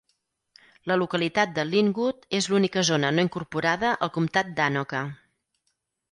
La localitat de Linwood és l'única zona no incorporada al comtat d'Anoka.